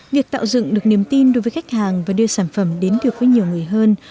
việc tạo dựng được niềm tin đối với khách hàng và đưa sản phẩm đến được với nhiều người hơn